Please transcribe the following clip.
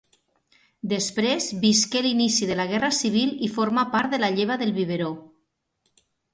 Després visqué l'inici de la Guerra Civil i formà part de la lleva del biberó.